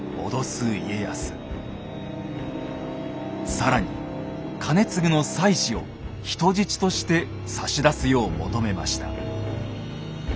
更に兼続の妻子を人質として差し出すよう求めました。